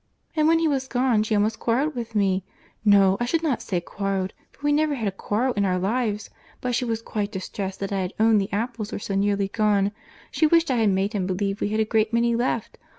And when he was gone, she almost quarrelled with me—No, I should not say quarrelled, for we never had a quarrel in our lives; but she was quite distressed that I had owned the apples were so nearly gone; she wished I had made him believe we had a great many left.